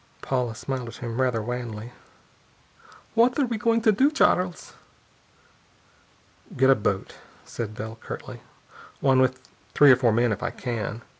Paula smiled at him, rather wanly. "What are you going to do, Charles?" "Get a boat," said Bell curtly. "One with three or four men, if I can.